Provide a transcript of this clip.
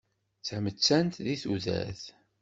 D tamettan di tudert.